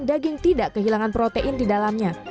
daging tidak kehilangan protein di dalamnya